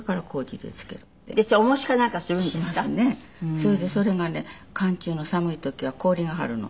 それでそれがね寒地の寒い時は氷が張るの。